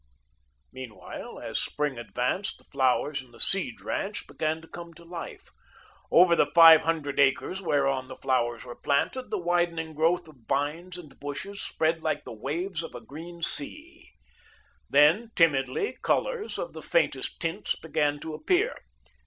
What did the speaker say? Meanwhile, as spring advanced, the flowers in the Seed ranch began to come to life. Over the five hundred acres whereon the flowers were planted, the widening growth of vines and bushes spread like the waves of a green sea. Then, timidly, colours of the faintest tints began to appear.